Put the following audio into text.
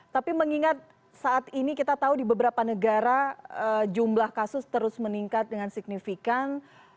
tapi mengingat saat ini kita tahu di beberapa negara jumlah kasus terus meningkat dengan signifikan